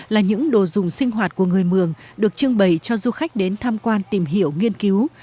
là những đồ dùng sinh hoạt của người mường được trưng bày cho du khách đến tham quan tìm hiểu nghiên cứu